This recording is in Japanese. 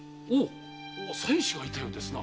妻子がいたようですな。